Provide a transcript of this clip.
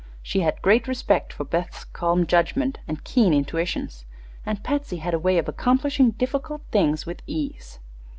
She had great respect for Beth's calm judgment and keen intuitions, and Patsy had a way of accomplishing difficult things with ease.